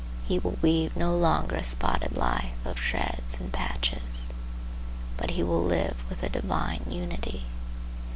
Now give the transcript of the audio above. He will weave no longer a spotted life of shreds and patches, but he will live with a divine unity.